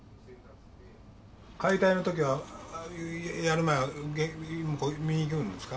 解体の時はやる前は向こう見に行きよるんですか？